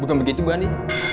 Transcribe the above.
bukan begitu bu andi